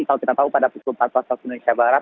kalau kita tahu pada pukul empat belas waktu indonesia barat